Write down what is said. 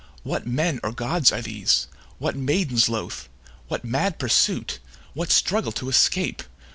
What men or gods are these? What maidens loth? What mad pursuit? What struggle to escape?